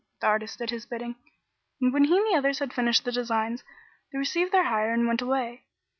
The artist did his bidding, and when he and the others had finished the designs, they received their hire and went away.